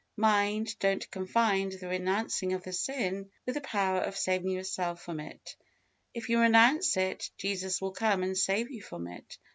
Mind, don't confound the renouncing of the sin, with the power of saving yourself from it. If you renounce it, Jesus will come and save you from it.